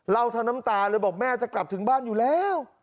ทั้งน้ำตาเลยบอกแม่จะกลับถึงบ้านอยู่แล้ว